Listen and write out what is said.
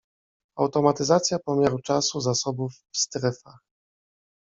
Automatyzacja pomiaru czasu zasobów w strefach